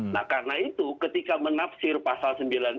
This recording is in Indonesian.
nah karena itu ketika menafsir pasal sembilan ratus sembilan puluh tiga